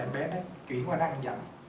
em bé nó chuyển qua nó ăn dặm